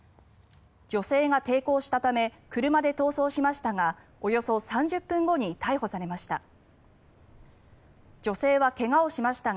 女性が抵抗したため車で逃走しましたがおよそ３０分後に逮捕されました。